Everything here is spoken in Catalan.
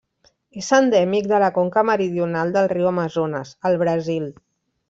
És endèmic de la conca meridional del riu Amazones, al Brasil.